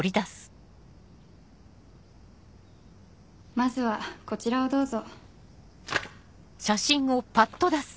まずはこちらをどうぞ。